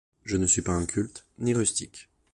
Je ne suis pas inculte ni rustique.